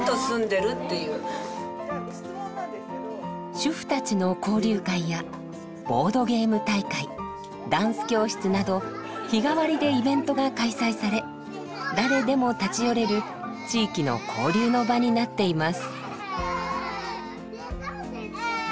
主婦たちの交流会やボードゲーム大会ダンス教室など日替わりでイベントが開催され誰でも立ち寄れる地域の交流の場になっています。